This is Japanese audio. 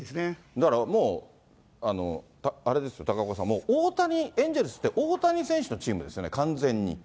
だからもう、あれですよ、高岡さん、もうエンゼルスって、大谷選手のチームですよね、完全に。